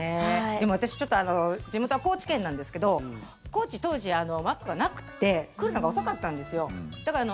でも、私地元は高知県なんですけど高知、当時、マックがなくて来るのが遅かったんですよ。